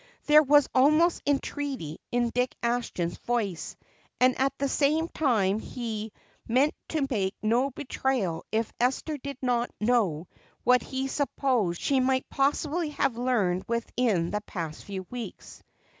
There was almost entreaty in Dick Ashton's voice and at the same time he meant to make no betrayal if Esther did not know what he supposed she might possibly have learned within the past few weeks.